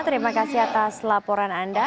terima kasih atas laporan anda